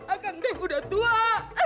akang teh udah tua